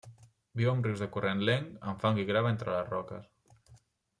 Viu en rius de corrent lent amb fang i grava entre les roques.